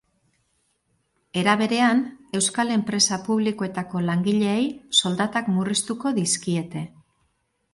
Era berean, euskal enpresa publikoetako langileei soldatak murriztuko dizkiete.